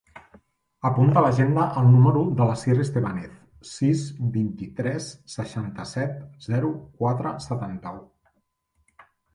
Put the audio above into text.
Apunta a l'agenda el número de l'Asier Estebanez: sis, vint-i-tres, seixanta-set, zero, quatre, setanta-u.